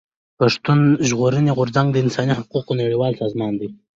پښتون ژغورني غورځنګ د انساني حقوقو نړيوال سازمان دی.